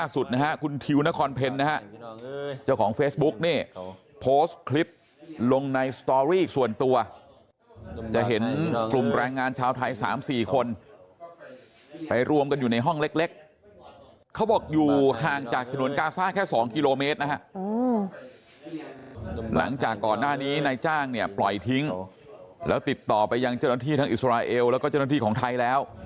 สุดนะฮะคุณทิวนครเพ็ญนะฮะเจ้าของเฟซบุ๊กนี่โพสต์คลิปลงในสตอรี่ส่วนตัวจะเห็นกลุ่มแรงงานชาวไทย๓๔คนไปรวมกันอยู่ในห้องเล็กเขาบอกอยู่ห่างจากฉนวนกาซ่าแค่๒กิโลเมตรนะฮะหลังจากก่อนหน้านี้นายจ้างเนี่ยปล่อยทิ้งแล้วติดต่อไปยังเจ้าหน้าที่ทั้งอิสราเอลแล้วก็เจ้าหน้าที่ของไทยแล้ว